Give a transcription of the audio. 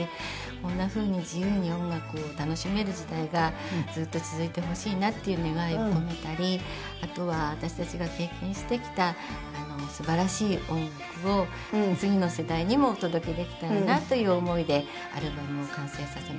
こんなふうに自由に音楽を楽しめる時代がずっと続いてほしいなっていう願いを込めたりあとは私たちが経験してきたすばらしい音楽を次の世代にもお届けできたらなという思いでアルバムを完成させました。